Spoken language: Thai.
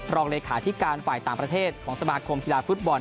รองเลขาธิการฝ่ายต่างประเทศของสมาคมกีฬาฟุตบอล